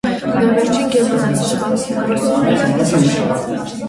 Նա վերջին գերմանացի սպան էր գրոսադմիրալի պաշտոնում։